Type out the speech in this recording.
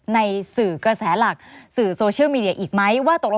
ในสื่อเป็นกระแสหลักหรือที่ได้ข่าวยังไง